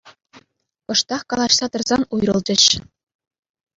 Кӑштах калаҫса тӑрсан уйрӑлчӗҫ.